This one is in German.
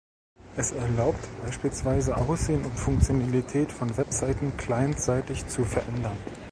Es erlaubt beispielsweise, Aussehen oder Funktionalität von Webseiten clientseitig zu verändern.